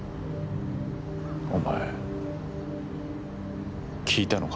お前聞いたのか？